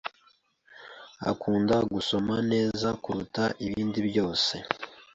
Akunda gusoma neza kuruta ibindi byose.